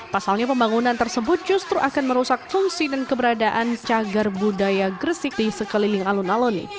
pasalnya pembangunan tersebut justru akan merusak fungsi dan keberadaan cagar budaya gresik di sekeliling alun alun